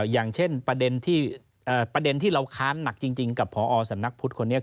อย่างเช่นประเด็นที่เราค้านหนักจริงกับพอสำนักพุทธคนนี้